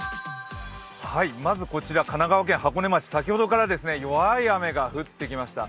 まずこちら、神奈川県箱根町先ほどから弱い雨が降ってきました。